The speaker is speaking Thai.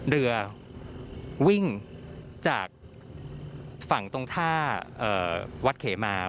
เรือวิ่งจากฝั่งตรงท่าวัดเขมา